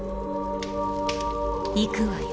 いくわよ。